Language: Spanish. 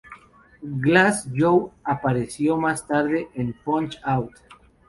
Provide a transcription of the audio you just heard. Glass Joe apareció más tarde en "Punch-Out!!